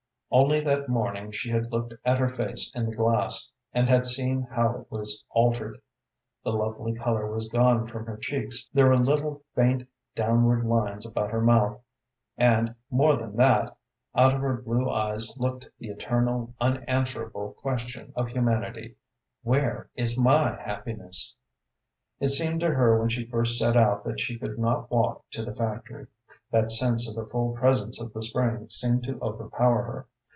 Only that morning she had looked at her face in the glass, and had seen how it was altered. The lovely color was gone from her cheeks, there were little, faint, downward lines about her mouth, and, more than that, out of her blue eyes looked the eternal, unanswerable question of humanity, "Where is my happiness?" It seemed to her when she first set out that she could not walk to the factory. That sense of the full presence of the spring seemed to overpower her.